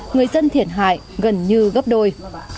người dân thiệt hại gần như gấp đôi